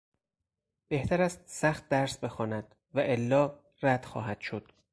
بهتر است سخت درس بخواند والا رد خواهد شد.